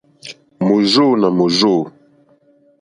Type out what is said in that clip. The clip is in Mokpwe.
Mòrzô nà mòrzô.